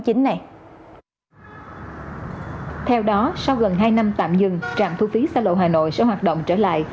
theo đó sau gần hai năm tạm dừng trạm thu phí xa lộ hà nội sẽ hoạt động trở lại